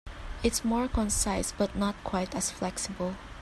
It is more concise but not quite as flexible.